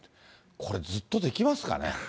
これ、ずっとできますかね。